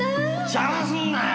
邪魔すんなよ！